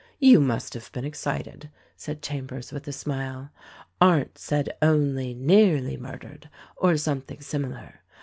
"You must have been excited," said Chambers with a smile. "Arndt said only, 'nearly murdered,' or something 152 THE RECORDING ANGEL similar.